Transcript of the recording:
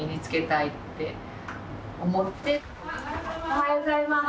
おはようございます。